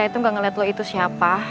itu gak ngeliat lo itu siapa